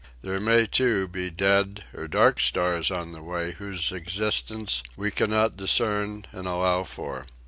There may, too, be dead or dark stars on the way whose existence we cannot discern and allow for.